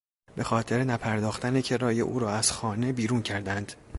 به خاطر نپرداختن کرایه او را از خانه بیرون کردند.